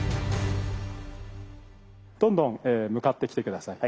どんどん向かってきて下さい。